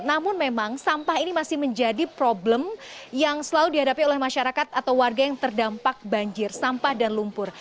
namun memang sampah ini masih menjadi problem yang selalu dihadapi oleh masyarakat atau warga yang terdampak banjir sampah dan lumpur